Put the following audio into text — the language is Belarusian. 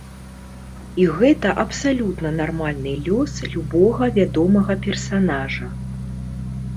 І гэта абсалютна нармальны лёс любога вядомага персанажа.